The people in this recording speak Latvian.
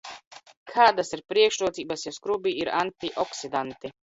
Kādas ir priekšrocības, ja skrubī ir antioksidanti?